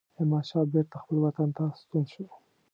احمدشاه بیرته خپل وطن ته ستون شو.